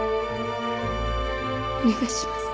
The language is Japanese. お願いします。